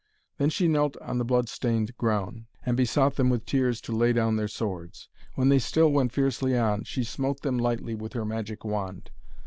Then she knelt on the bloodstained ground, and besought them with tears to lay down their swords. When they still went fiercely on, she smote them lightly with her magic wand.